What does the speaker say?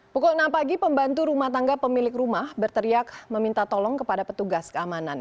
pukul enam pagi pembantu rumah tangga pemilik rumah berteriak meminta tolong kepada petugas keamanan